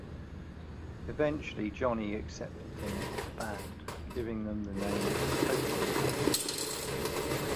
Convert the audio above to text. Eventually, Johnny accepted them as a band, giving them the name "Tokio Band".